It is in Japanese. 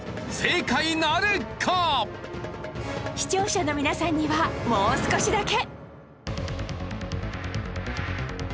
視聴者の皆さんにはもう少しだけ